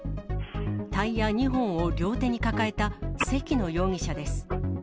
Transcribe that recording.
タイヤ２本を両手に抱えた関野容疑者です。